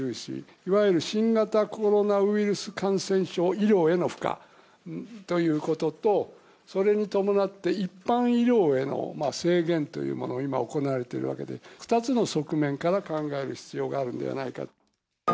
いわゆる新型コロナウイルス感染症医療への負荷ということと、それに伴って、一般医療への制限というものが今、行われているわけで、２つの側面から考える必要があるんではないかと。